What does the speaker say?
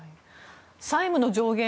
債務の上限